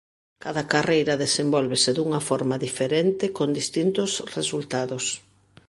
Cada carreira desenvólvese dunha forma diferente con distintos resultados.